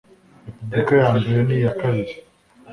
repubulika ya mbere n iya kabiri